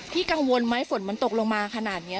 กังวลไหมฝนมันตกลงมาขนาดนี้